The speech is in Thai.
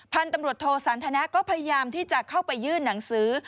พันธุ์ตำรวจโทสันทนะก็พยายามที่จะเข้าไปยื่นหนังสือ